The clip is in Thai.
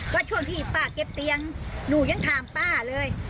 ก็ช่วงที่ป้าเก็บเตียงหนูยังถามป้าเลย